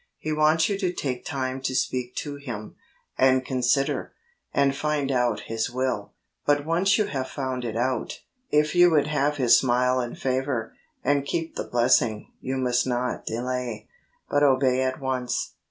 He wants you to take time to speak to Him, and consider, and find out His will ; but once you have found it out, if you would have His smile and favour, and keep the blessing, you must not delay, but obey at once.